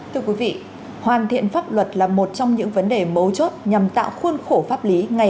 thưa quý vị hoàn thiện pháp luật là một trong những vấn đề mấu chốt nhằm tạo khuôn khổ pháp lý